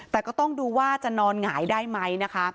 แต่ก็ต้องดูว่าจะนอนหงายได้ไหมนะคะ